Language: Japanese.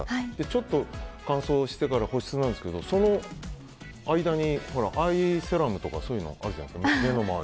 ちょっと乾燥してから保湿を塗るんですけどその間にアイセラムとかそういうのあるじゃないですか